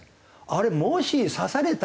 あれもし刺されたり。